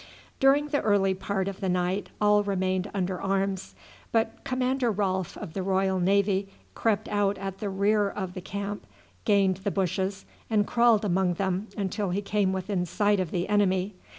During the early part of the night all remained under arms. But Commander Rolfe of the Royal Navy crept out at the rear of the camp, gained the bushes, and crawled among them until he came within sight of the enemy.